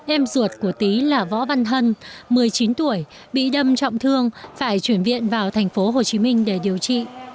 em ruột của tý là võ văn hân một mươi chín tuổi bị đâm trọng thương phải chuyển viện vào thành phố hồ chí minh để điều trị